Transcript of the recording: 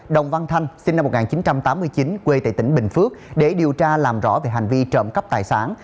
đồng văn thanh sinh năm một nghìn chín trăm tám mươi chín quê tại tỉnh bình phước để điều tra làm rõ về hành vi trộm cắp tài sản